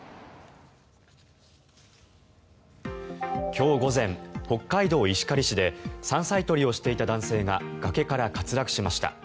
今日午前北海道石狩市で山菜採りをしていた男性が崖から滑落しました。